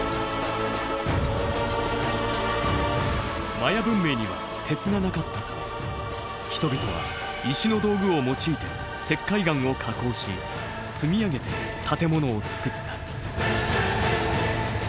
マヤ文明には鉄がなかったため人々は石の道具を用いて石灰岩を加工し積み上げて建物を造った。